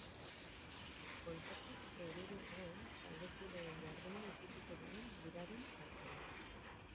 Kontzertuetako irudiez gain, taldekideen jarduna ikusiko dugu biraren baitan.